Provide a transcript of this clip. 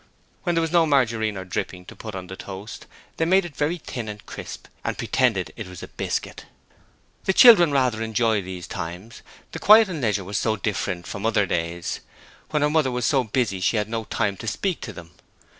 When there was no margarine or dripping to put on the toast, they made it very thin and crisp and pretended it was biscuit. The children rather enjoyed these times; the quiet and leisure was so different from other days when their mother was so busy she had no time to speak to them.